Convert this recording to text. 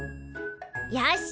よし！